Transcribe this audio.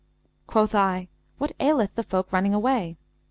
Quoth I, 'What aileth the folk running away?'